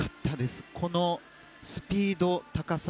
このスピード、高さ。